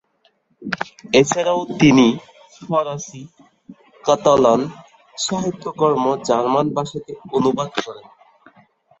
এছাড়াও তিনি ফরাসি ও কাতালান সাহিত্যকর্ম জার্মান ভাষাতে অনুবাদ করেন।